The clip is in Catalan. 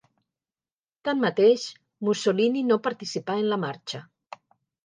Tanmateix, Mussolini no participà en la marxa.